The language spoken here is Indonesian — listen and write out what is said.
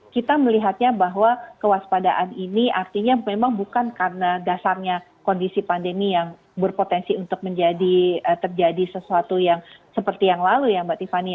kita melihatnya bahwa kewaspadaan ini artinya memang bukan karena dasarnya kondisi pandemi yang berpotensi untuk menjadi terjadi sesuatu yang seperti yang lalu ya mbak tiffany